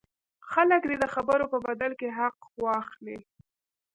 خلک دې د خبرو په بدل کې حق واخلي.